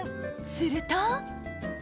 すると。